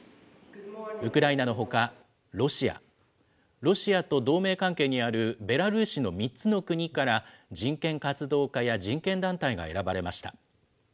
ウクライナのほか、ロシア、ロシアと同盟関係にあるベラルーシの３つの国から、人権活動家や人権団体が選ばれました。